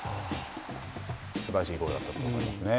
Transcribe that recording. すばらしいゴールだったと思いますよね。